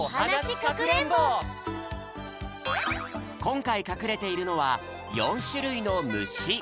こんかいかくれているのは４しゅるいのむし。